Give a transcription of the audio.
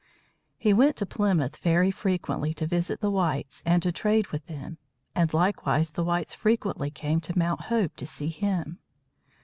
He went to Plymouth very frequently, to visit the whites and to trade with them. And, likewise, the whites frequently came to Mount Hope to see him.